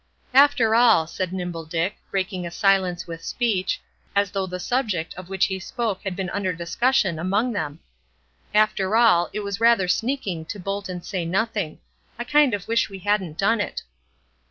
"After all," said Nimble Dick, breaking a silence with speech, as though the subject of which he spoke had been under discussion among them, "after all, it was rather sneaking to bolt and say nothing; I kind of wish we hadn't done it."